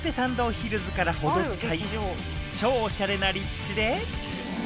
ヒルズから程近い、超おしゃれな立地で。